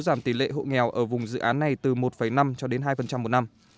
giảm tỷ lệ hộ nghèo ở vùng dự án này từ một năm cho đến hai một năm